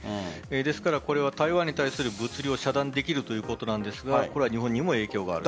ですからこれは、台湾に対する物流を遮断できるということなんですがこれは日本にも影響がある。